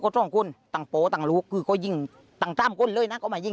ใช่เราอยู่ในเจ้าคือรูปและยิ่ง